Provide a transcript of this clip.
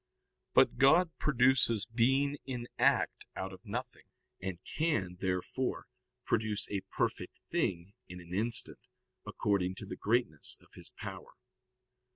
But God produces being in act out of nothing, and can, therefore, produce a perfect thing in an instant, according to the greatness of His power.